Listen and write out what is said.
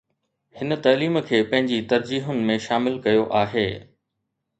هن تعليم کي پنهنجي ترجيحن ۾ شامل ڪيو آهي.